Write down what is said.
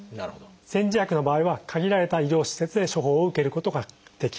煎じ薬の場合は限られた医療施設で処方を受けることができます。